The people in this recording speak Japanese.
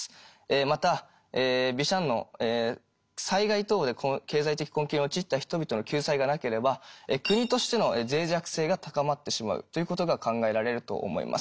またビシャンノ災害等で経済的困窮に陥った人々の救済がなければ国としてのぜい弱性が高まってしまうということが考えられると思います。